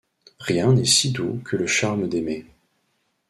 Rien n’est si doux que le charme d’aimer !